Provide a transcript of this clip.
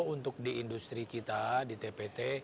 untuk di industri kita di tpt